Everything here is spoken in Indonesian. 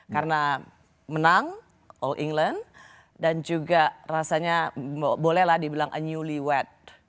karena menang all england dan juga rasanya bolehlah dibilang a newly wed